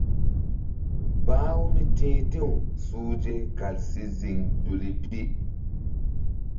Bah-u mí ti̧h ti̧w suhze kal si ziŋ duli pi.